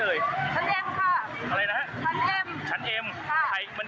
ชั้นเอ็มค่ะชั้นเอ็มครับใช่มันยิงอะไรอย่างไรกัน